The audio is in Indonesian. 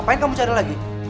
apa yang kamu cari lagi